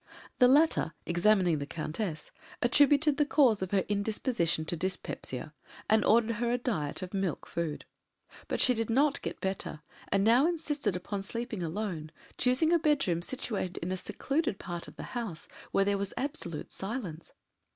The latter, examining the Countess, attributed the cause of her indisposition to dyspepsia, and ordered her a diet of milk food. But she did not get better, and now insisted upon sleeping alone, choosing a bedroom situated in a secluded part of the house, where there was absolute silence.